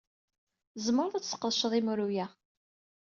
Tzemred ad tesqedced imru-a.